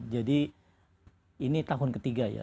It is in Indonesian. jadi ini tahun ketiga ya